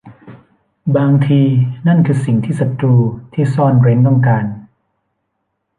บางที นั่นคือสิ่งที่ศ้ตรูที่ซ่อนเร้นต้องการ